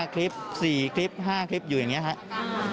คลิป๔คลิป๕คลิปอยู่อย่างนี้ครับ